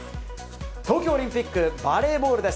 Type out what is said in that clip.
東京オリンピック、バレーボールです。